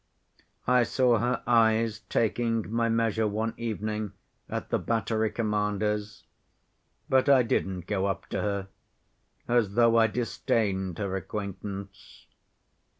I saw her eyes taking my measure one evening at the battery commander's, but I didn't go up to her, as though I disdained her acquaintance.